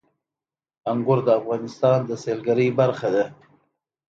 انګور د افغانستان د سیلګرۍ برخه ده.